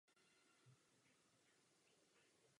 Místo a datum jeho narození jsou sporná.